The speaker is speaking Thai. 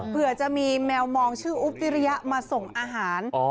เผื่อจะมีแมวมองชื่ออุ๊บกิริยะมาส่งอาหาร